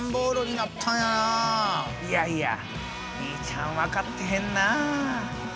いやいや兄ちゃん分かってへんなあ。